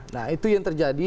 nah itu yang terjadi